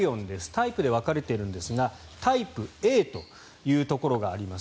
タイプで分かれているんですがタイプＡというところがあります。